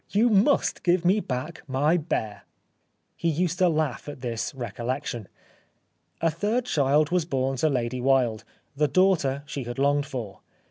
You must give me back my bear." He used to laugh at this recollection. A third child was born to Lady Wilde, the daughter she had longed for.